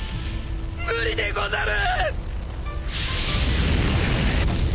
無理でござる！